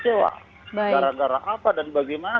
sewa gara gara apa dan bagaimana